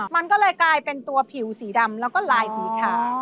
มันก็เลยกลายเป็นตัวผิวสีดำแล้วก็ลายสีขาว